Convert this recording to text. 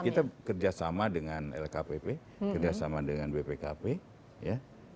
kita kerjasama dengan lkpp kerjasama dengan bpkp ya